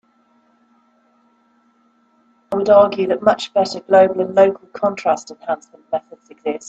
I would argue that much better global and local contrast enhancement methods exist.